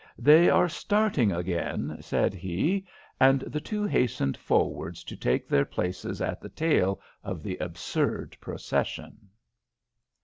"They are starting again," said he, and the two hastened forwards to take their places at the tail of the absurd procession.